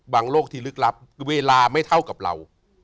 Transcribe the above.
โลกที่ลึกลับเวลาไม่เท่ากับเรา